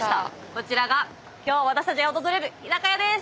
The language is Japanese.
こちらが今日私たちが訪れる日高屋です！